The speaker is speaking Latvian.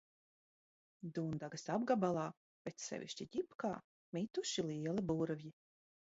Dundagas apgabalā, bet sevišķi Ģipkā, mituši lieli burvji.